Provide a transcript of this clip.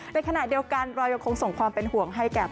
ในขณะเดียวกันเรายังคงส่งความเป็นห่วงให้กับ